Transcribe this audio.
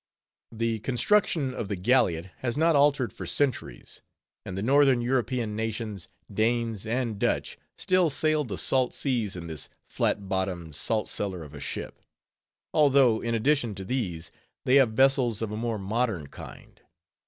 The construction of the galliot has not altered for centuries; and the northern European nations, Danes and Dutch, still sail the salt seas in this flat bottomed salt cellar of a ship; although, in addition to these, they have vessels of a more modern kind.